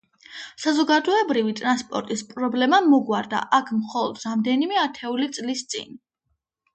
საზოგადოებრივი ტრანსპორტის პრობლემა მოგვარდა აქ მხოლოდ რამდენიმე ათეული წლის წინ.